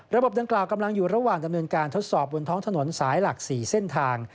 ดังกล่าวกำลังอยู่ระหว่างดำเนินการทดสอบบนท้องถนนสายหลัก๔เส้นทาง